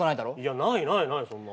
ないないないそんな。